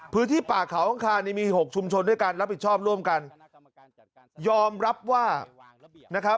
พื้นที่ป่าเขาของขานี่มี๖ชุมชนด้วยการรับผิดชอบร่วมกัน